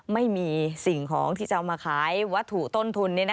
ไม่มีสิ่งของที่จะเอามาขายวัตถุต้นทุน